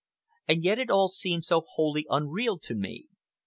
And yet it all seemed wholly unreal to me!